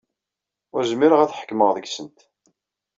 Ur zmireɣ ad ḥekmeɣ deg-sent.